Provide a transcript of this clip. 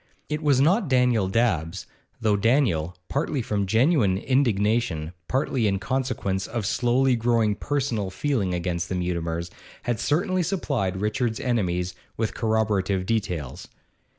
It was not Daniel Dabbs, though Daniel, partly from genuine indignation, partly in consequence of slowly growing personal feeling against the Mutimers, had certainly supplied Richard's enemies with corroborative details.